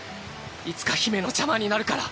いつか姫の邪魔になるから。